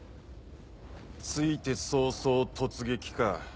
着いて早々突撃か。